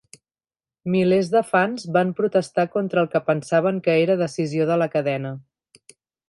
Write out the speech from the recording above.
Milers de fans van protestar contra el que pensaven que era decisió de la cadena.